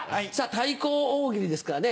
「対抗大喜利」ですからね。